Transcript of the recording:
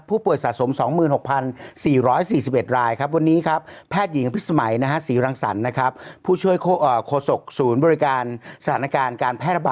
ผู้ป่วยสะสม๒๖๔๔๑รายครับ